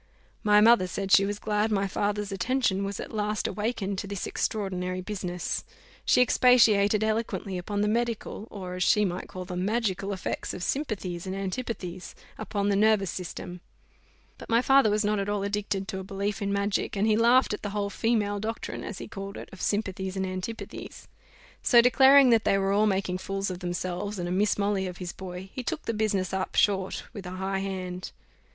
My mother said she was glad my father's attention was at last awakened to this extraordinary business. She expatiated eloquently upon the medical, or, as she might call them, magical effects of sympathies and antipathies: on the nervous system; but my father was not at all addicted to a belief in magic, and he laughed at the whole female doctrine, as he called it, of sympathies and antipathies: so, declaring that they were all making fools of themselves, and a Miss Molly of his boy, he took the business up short with a high hand.